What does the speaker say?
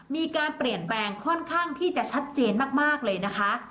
มีการเปลี่ยนแปลงค่อนข้างที่จะชัดเจนมากเลยนะคะ